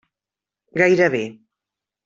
Gairebé.